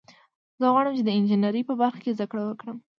زه غواړم چې د انجینرۍ په برخه کې زده کړه وکړم